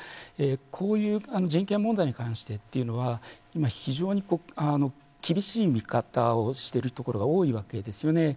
こういう人権問題に関してというのは今、非常に厳しい見方をしているところが多いわけですよね。